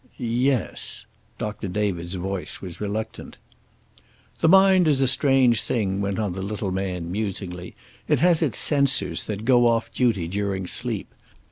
"Yes." Doctor David's voice was reluctant. "The mind is a strange thing," went on the little man, musingly. "It has its censors, that go off duty during sleep.